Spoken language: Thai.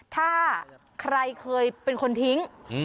ถ้าใครเคยเป็นคนทิ้ง